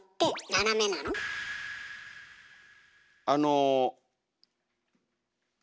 あの。